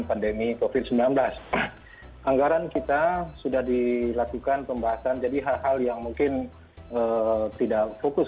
pandemi covid sembilan belas anggaran kita sudah dilakukan pembahasan jadi hal hal yang mungkin tidak fokus